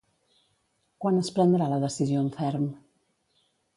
Quan es prendrà la decisió en ferm?